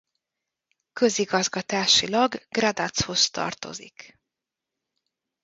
Közigazgatásilag Gradachoz tartozik.